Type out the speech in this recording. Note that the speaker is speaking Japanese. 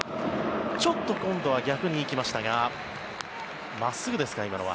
ちょっと今度は逆に行きましたが真っすぐですか今のは。